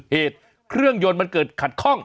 เหตุเครื่องยนต์มันเกิดขัดข้อง